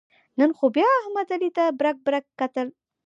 نن خو بیا احمد علي ته برگ برگ کتل.